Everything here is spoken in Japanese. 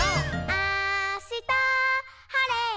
「あしたはれたら」